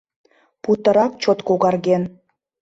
Путырак чот когарген